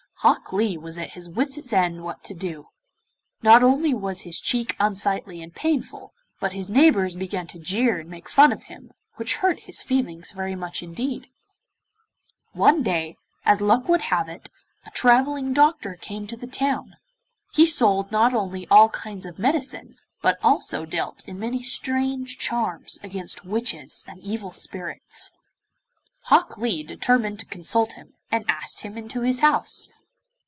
Hok Lee was at his wits' ends what to do. Not only was his cheek unsightly and painful, but his neighbours began to jeer and make fun of him, which hurt his feelings very much indeed. One day, as luck would have it, a travelling doctor came to the town. He sold not only all kinds of medicine, but also dealt in many strange charms against witches and evil spirits. Hok Lee determined to consult him, and asked him into his house.